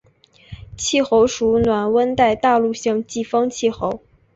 气候属暖温带大陆性季风气候。